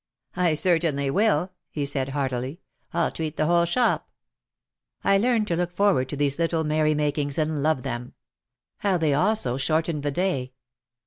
"I certainly will," he said heartily. "1*11 treat the whole shop." I learned to look forward to these little merry makings and love them. How they also shortened the day